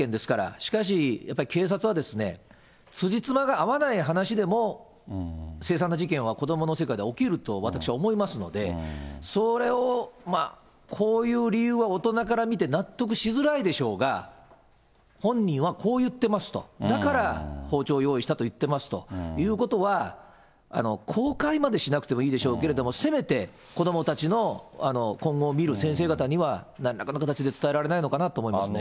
しかし、やっぱり警察は、つじつまが合わない話でも、凄惨な事件は子どもの世界では起きると、私は思いますので、それを、こういう理由は大人から見て納得しづらいでしょうが、本人はこう言ってますと、だから包丁を用意したと言ってますということは、公開までしなくてもいいでしょうけれども、せめて、子どもたちの今後を見る先生方には、なんらかの形で伝えられないのかなと思いますね。